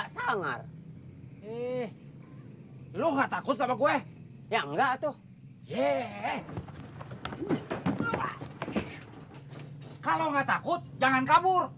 kalau enggak takut jangan kabur